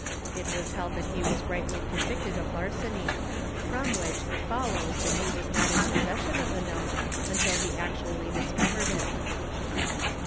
It was held that he was rightly convicted of larceny ; from which it follows that he was not in possession of the note until he actually discovered it.